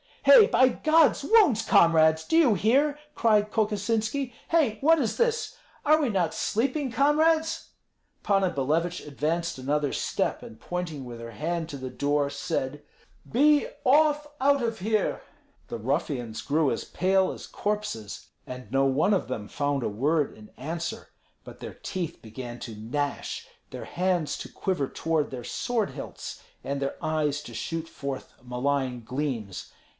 "Hei, by God's wounds, comrades, do you hear?" cried Kokosinski. "Hei, what is this? Are we not sleeping, comrades?" Panna Billevich advanced another step, and pointing with her hand to the door, said, "Be off out of here!" The ruffians grew as pale as corpses, and no one of them found a word in answer. But their teeth began to gnash, their hands to quiver toward their sword hilts, and their eyes to shoot forth malign gleams.